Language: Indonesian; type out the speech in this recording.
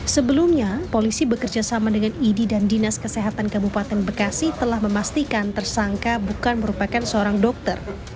sebelumnya polisi bekerja sama dengan idi dan dinas kesehatan kabupaten bekasi telah memastikan tersangka bukan merupakan seorang dokter